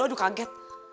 ih aduh kaget